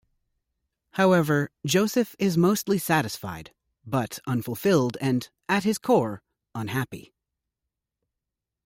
However, Joseph is mostly satisfied, but unfulfilled and, at his core, unhappy.